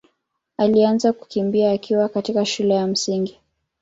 alianza kukimbia akiwa katika shule ya Msingi.